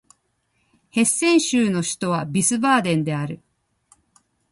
ヘッセン州の州都はヴィースバーデンである